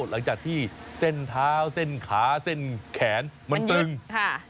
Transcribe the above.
หลังจากที่เส้นเท้าเส้นขาเส้นแขนมันตึงค่ะ